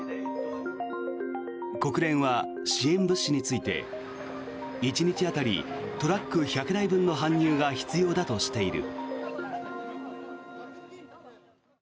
国連は支援物資について１日当たりトラック１００台分の搬入が必要だとしている。